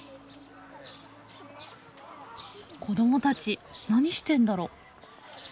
子どもたち何してんだろ？